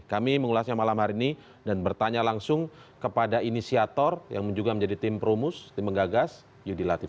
kami mengulasnya malam hari ini dan bertanya langsung kepada inisiator yang juga menjadi tim perumus tim menggagas yudi latif